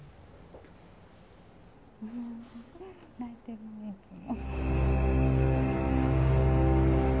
ないてるねいつも。